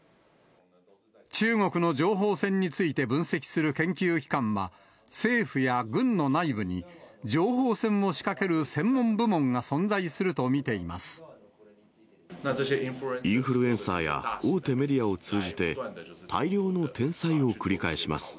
中国の情報戦について分析する研究機関は、政府や軍の内部に情報戦を仕掛ける専門部門が存在すると見ていまインフルエンサーや大手メディアを通じて、大量の転載を繰り返します。